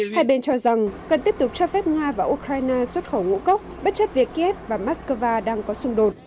hai bên cho rằng cần tiếp tục cho phép nga và ukraine xuất khẩu ngũ cốc bất chấp việc kiev và moscow đang có xung đột